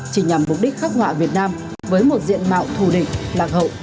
chỉ nhằm mục đích khắc họa việt nam với một diện mạo thù địch lạc hậu